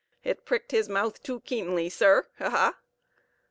It pricked his mouth too keenly, sir; ha! ha!"